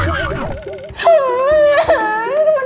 ini gimana lu